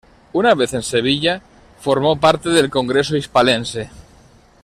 Una vez en Sevilla formó parte del Congreso Hispalense.